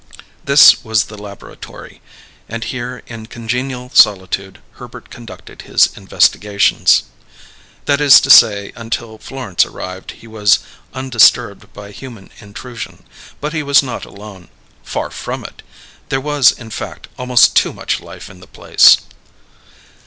This was the laboratory, and here, in congenial solitude, Herbert conducted his investigations. That is to say, until Florence arrived he was undisturbed by human intrusion, but he was not alone far from it! There was, in fact, almost too much life in the place.